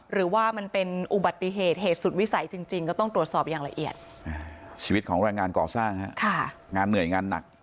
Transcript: หรือว่ามันเป็นอุบัติเหตุเหตุสุดวิสัยจริง